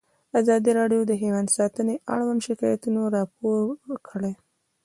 ازادي راډیو د حیوان ساتنه اړوند شکایتونه راپور کړي.